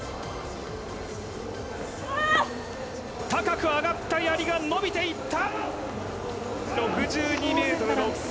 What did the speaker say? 高く上がった槍が伸びていった！